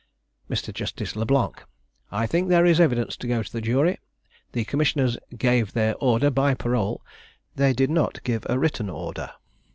Mr. Justice Le Blanc. I think there is evidence to go to the jury. The commissioners gave their order by parole, they did not give a written order.